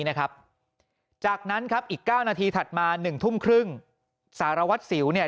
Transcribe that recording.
นะครับจากนั้นครับอีก๙นาทีถัดมาหนึ่งทุ่มครึ่งสารวัตรสิวเนี่ย